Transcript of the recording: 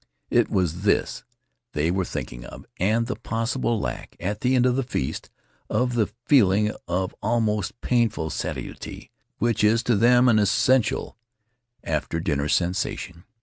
It was this they were thinking of, and the possible lack, at the end of the feast, of the feeling of almost painful satiety which is to them an essential after dinner sensation.